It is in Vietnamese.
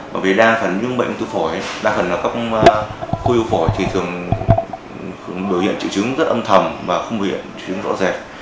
bởi vì đa phần những bệnh ung thư phổi đa phần là các khối ung thư phổi thì thường biểu hiện chữ chứng rất âm thầm và không biểu hiện chữ chứng rõ rệt